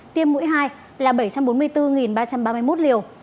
tiêm mũi hai là bảy trăm bốn mươi bốn ba trăm ba mươi một liều